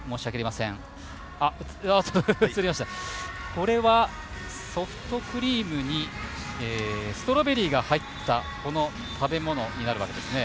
これは、ソフトクリームにストロベリーが入った食べ物になるわけですね。